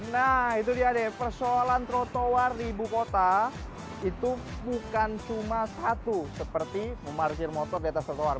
nah itu dia deh persoalan trotoar di ibu kota itu bukan cuma satu seperti memarsir motor di atas trotoar